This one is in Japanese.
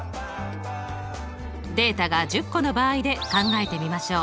データが１０個の場合で考えてみましょう。